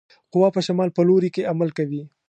قوه په شمال په لوري کې عمل کوي.